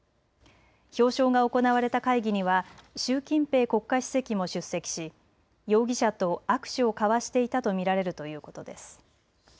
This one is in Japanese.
表彰が行われた会議には習近平国家主席も出席し容疑者と握手を交わしていたと見られるということです。